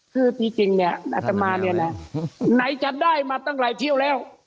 คือจริงเนี่ยอัตมาเนี่ยนะไหนจะได้มาตั้งหลายเที่ยวแล้ว